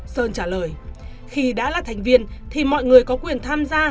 sơn trả lời khi đã là thành viên thì mọi người có quyền tham gia